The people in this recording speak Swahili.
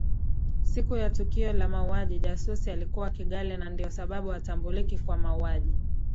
Siku ya tukio la mauaji jasusi alikuwa Kigali na ndio sababu hatambuliki kwa mauaji